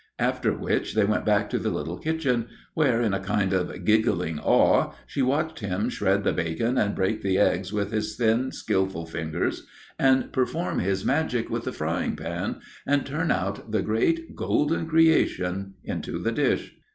After which they went back to the little kitchen, where in a kind of giggling awe she watched him shred the bacon and break the eggs with his thin, skilful fingers and perform his magic with the frying pan and turn out the great golden creation into the dish.